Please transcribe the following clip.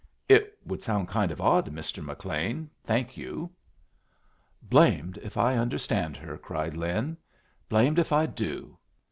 "It would sound kind of odd, Mr. McLean, thank you." "Blamed if I understand her," cried Lin. "Blamed if I do.